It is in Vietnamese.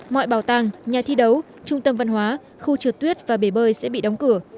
mọi bảo tàng nhà thi đấu trung tâm văn hóa khu trượt tuyết và bể bơi sẽ bị đóng cửa